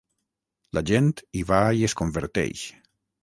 La gent hi va i es converteix.